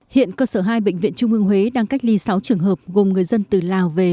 hiện cơ sở hai bệnh viện trung ương huế đang cách ly sáu trường hợp gồm người dân từ lào về